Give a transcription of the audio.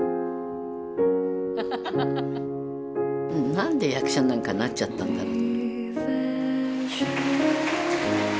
何で役者なんかになっちゃったんだろう。